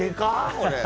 これ。